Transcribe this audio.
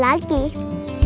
mama gak boleh pergi lagi